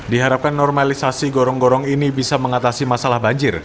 diharapkan normalisasi gorong gorong ini bisa mengatasi masalah banjir